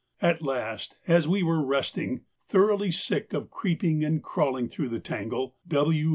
At last, as we were resting, thoroughly sick of creeping and crawling through the tangle, W.